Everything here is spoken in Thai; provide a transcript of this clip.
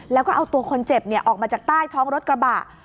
แล้วก็เอาตัวคนเจ็บออกมาจากใต้ท้องรถกระบะ